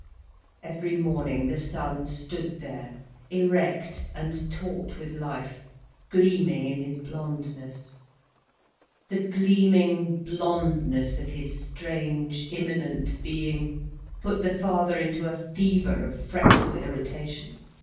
Every morning, the son stood there, erect and taut with life, gleaming in his blondness. The gleaming blondness of his strange, imminent being put the father into a fever of fretful irritation.